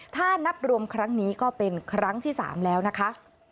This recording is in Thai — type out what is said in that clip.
ถ้านับรวมครั้งนี้ก็เป็นครั้งที่๓แล้วนะคะ